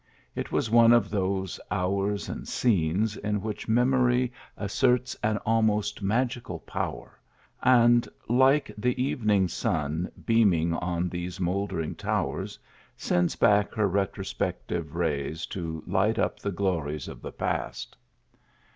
It was one of those hours and scenes in which memory asserts an almost magical power, and, like the evening sun beaming on these mouldering towers, sends back her retrospective rays to light up the glories of the past.